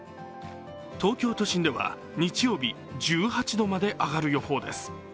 東京都心では日曜日、１８度まで上がる予報です。